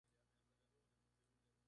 El álbum fue producido por Cachorro López.